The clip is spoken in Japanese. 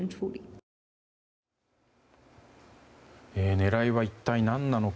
狙いは一体何なのか。